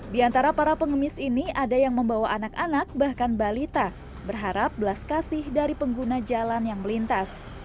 di antara para pengemis ini ada yang membawa anak anak bahkan balita berharap belas kasih dari pengguna jalan yang melintas